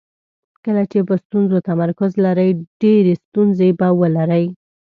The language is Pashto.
کله چې په ستونزو تمرکز لرئ ډېرې ستونزې به ولرئ.